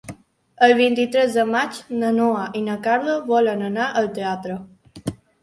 El vint-i-tres de maig na Noa i na Carla volen anar al teatre.